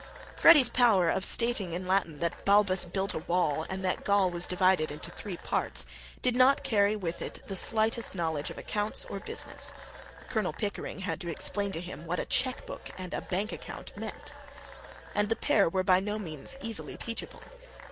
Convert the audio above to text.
Freddy's power of stating in Latin that Balbus built a wall and that Gaul was divided into three parts did not carry with it the slightest knowledge of accounts or business: Colonel Pickering had to explain to him what a cheque book and a bank account meant. And the pair were by no means easily teachable.